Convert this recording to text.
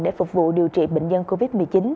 để phục vụ điều trị bệnh nhân covid một mươi chín